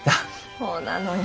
ほうなのよ。